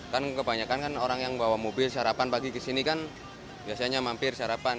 kan kebanyakan orang yang bawa mobil sarapan pagi ke sini kan biasanya mampir sarapan